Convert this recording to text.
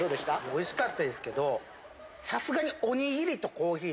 おいしかったですけど。